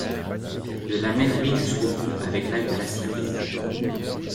Je la mènerai jusqu'au bout avec l'aide de la science.